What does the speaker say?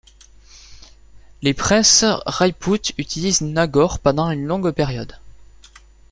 Les princes Rajput utilisèrent Nagaur pendant une longue période.